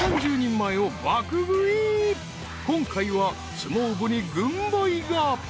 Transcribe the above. ［今回は相撲部に軍配が］